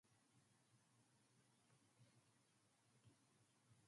However, emeralds "a, b, c,"..etc.